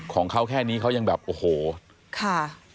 ของเขาแค่นี้เขายังแบบโอ้โหค่ะ